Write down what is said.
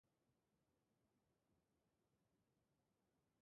Brasilgo fruitu exotikoa jan dugu.